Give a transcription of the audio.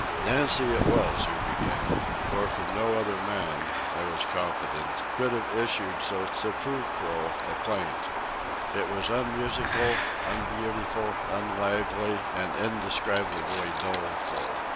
Nancy it was who began, for from no other man, I was confident, could have issued so sepulchral a plaint. It was unmusical, unbeautiful, unlively, and indescribably doleful.